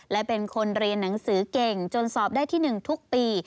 และเป็นคนเรียนหนังสือเก่งจนสอบได้ที่๑ทุกปี